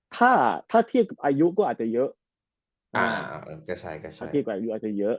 ถ้าถ้าเทียบกับอายุก็อาจจะเยอะถ้าเทียบกับอายุอาจจะเยอะ